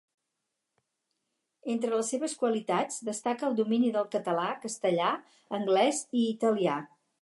Entre les seves qualitats destaca el domini del català, castellà, anglès i italià.